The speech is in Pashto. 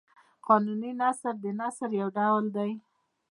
قانوني نثر د نثر یو ډول دﺉ.